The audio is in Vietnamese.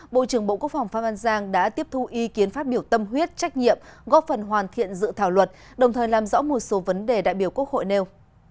bộ trưởng bộ quốc phòng pháp an giang đã tiếp thu ý kiến phát biểu tâm huyết trách nhiệm góp phần hoàn thiện dự thảo luật đồng thời làm rõ một số vấn đề đại biểu quốc hội nêu